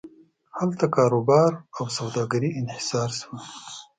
هلته کاروبار او سوداګري انحصار شوه.